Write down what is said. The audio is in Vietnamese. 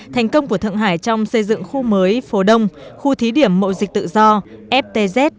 thành công của thượng hải trong xây dựng khu mới phố đông khu thí điểm mộ dịch tự do ftz